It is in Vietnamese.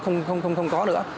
nó không có nữa